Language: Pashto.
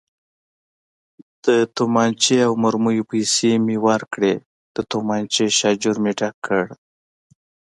د تومانچې او مرمیو پیسې مې ورکړې، د تومانچې شاجور مې ډک کړ.